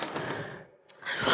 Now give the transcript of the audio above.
tidak ada apa maksud u